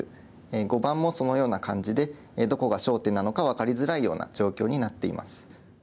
碁盤もそのような感じでどこが焦点なのか分かりづらいような状況になっています。